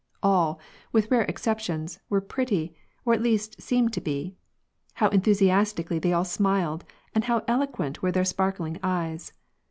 All, with rare exceptions, were pretty, or at least seemed to be. How enthusiastically they all smiled, and how eloquent were their sparkling eyes